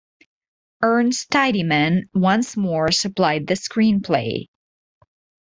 Ernest Tidyman once more supplied the screenplay.